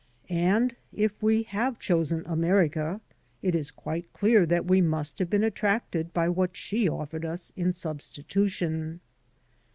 And if we have chosen America, it is quite dear that we must have been attracted by what she offered us in substitution.